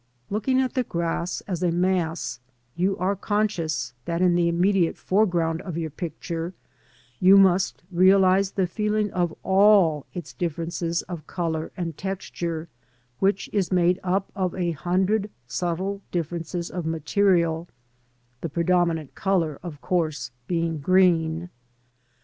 Looking at the grass as a mass you are conscious that in the immediate foreground of your picture you must realise the feeling of all its differences of colour and texture, which is made up of a hundred subtle differences of material, the predominant colour, of course, being green.